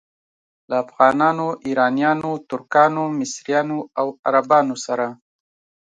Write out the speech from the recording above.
له افغانانو، ایرانیانو، ترکانو، مصریانو او عربانو سره.